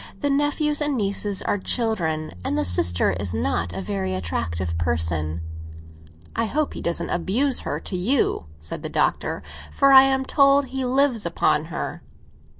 "The nephews and nieces are children, and the sister is not a very attractive person." "I hope he doesn't abuse her to you," said the Doctor; "for I am told he lives upon her."